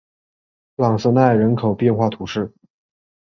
朗瑟奈人口变化图示